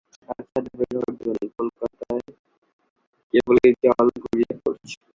তার ছাদে বের হবার জো নেই, কলতলায় কেবলই জল গড়িয়ে পড়ছে।